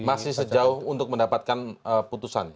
masih sejauh untuk mendapatkan putusan